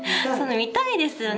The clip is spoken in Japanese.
診たいですよね。